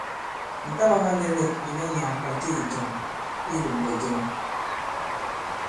Ŋ̀ taɓā mānɛ̄nɛ̂k ìnà nyàà pàti ì jàm i ilōŋgɛ jɛŋ.